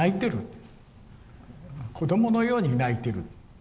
子供のように泣いてる。